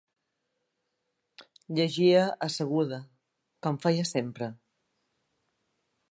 Llegia asseguda, com feia sempre.